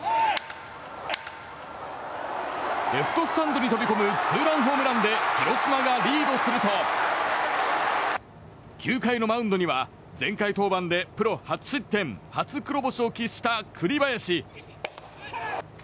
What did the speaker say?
レフトスタンドに飛び込むツーランホームランで広島がリードすると９回のマウンドには前回登板でプロ初失点初黒星を喫した栗林。